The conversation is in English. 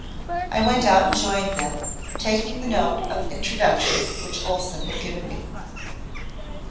I went out and joined them, taking the note of introduction which Olesen had given me.